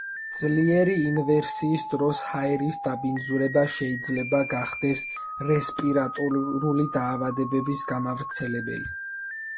ძლიერი ინვერსიის დროს ჰაერის დაბინძურება შეიძლება გახდეს რესპირატორული დაავადებების გამავრცელებელი.